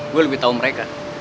gue lebih tahu mereka